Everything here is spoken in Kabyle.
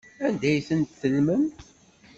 Anda ay tent-tellmem?